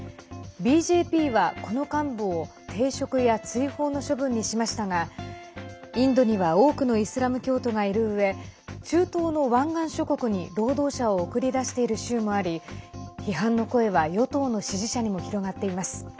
ＢＪＰは、この幹部を停職や追放の処分にしましたがインドには多くのイスラム教徒がいるうえ中東の湾岸諸国に労働者を送り出している州もあり批判の声は与党の支持者にも広がっています。